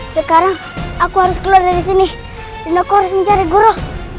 sekarang aku harus keluar dari sini dan aku harus mencari guru